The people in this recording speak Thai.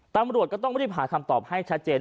ตำรวจก็ต้องรีบหาคำตอบให้ชัดเจน